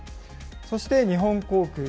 そして日本航空。